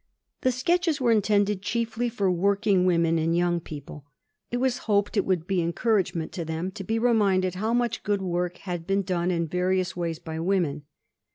The sketches were intended chiefly for working women and young people; it was hoped it would be an encouragement to them to be reminded how much good work had been done in various ways by women.